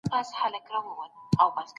آيا ټول خلک یو شان مرتبه لري؟